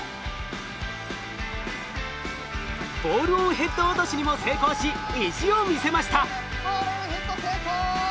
ボールオンヘッド落としにも成功し意地を見せました。